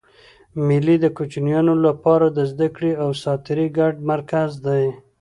مېلې د کوچنيانو له پاره د زدهکړي او ساتېري ګډ مرکز دئ.